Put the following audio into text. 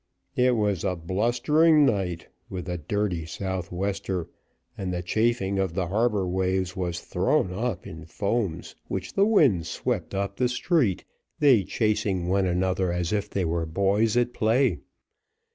It was a blustering night, with a dirty southwester, and the chafing of the harbour waves was thrown up in foams, which the winds swept up the street, they chasing one another as if they were boys at play.